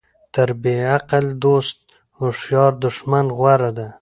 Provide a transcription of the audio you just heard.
تر بیعقل دوست هوښیار دښمن غوره ده.